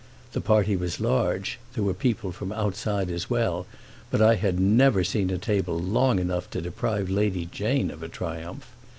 The party was large—there were people from outside as well, but I had never seen a table long enough to deprive Lady Jane of a triumph.